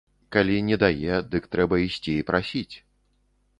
Калі не дае, дык трэба ісці і прасіць.